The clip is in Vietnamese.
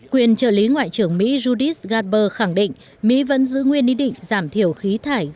quyền trợ lý ngoại trưởng mỹ judis gatber khẳng định mỹ vẫn giữ nguyên ý định giảm thiểu khí thải